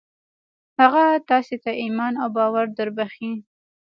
هغه تاسې ته ايمان او باور دربښي.